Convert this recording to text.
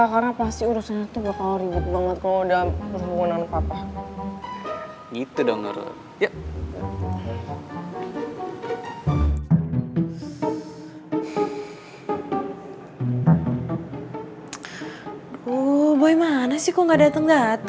karena pasti urusannya tuh bakal ribet banget